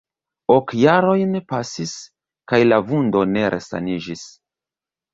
Ok jarojn pasis, kaj la vundo ne resaniĝis.